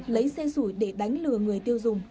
lấy xê sủi để đánh lừa người tiêu dùng